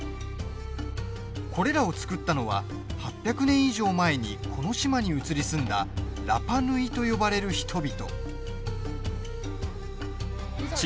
これらを造ったのは８００年以上前にこの島に移り住んだラパ・ヌイと呼ばれる人々。